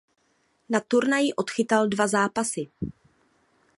Na turnaji odchytal dva zápasy.